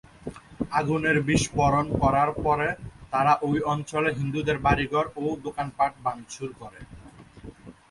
আগুনের বিস্ফোরণ করার পরে তারা ওই অঞ্চলে হিন্দুদের বাড়িঘর ও দোকানপাট ভাঙচুর করে।